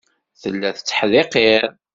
Tella tetteḥdiqir.